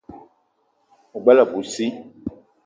O gbele abui sii.